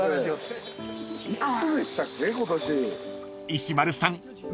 ［石丸さん